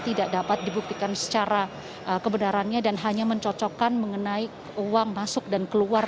tidak dapat dibuktikan secara kebenarannya dan hanya mencocokkan mengenai uang masuk dan keluar